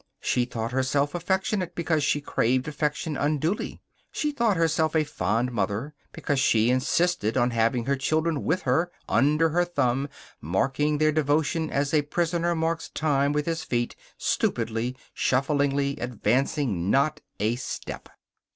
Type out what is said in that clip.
She thought herself affectionate because she craved affection unduly. She thought herself a fond mother because she insisted on having her children with her, under her thumb, marking their devotion as a prisoner marks time with his feet, stupidly, shufflingly, advancing not a step.